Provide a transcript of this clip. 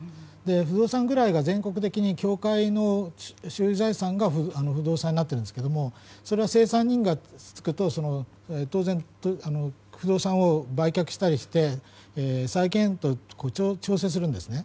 不動産が全国的に教会の所有財産が不動産になっているんですがそれは清算人が付くと当然、不動産を売却したりして調整するんですね。